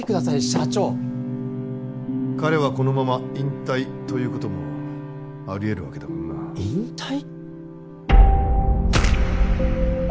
社長彼はこのまま引退ということもあり得るわけだからな引退？